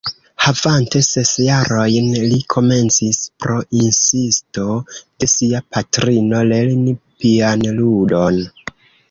Havante ses jarojn li komencis pro insisto de sia patrino lerni pianludon.